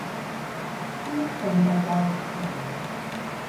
He was trained by Dalip Singh.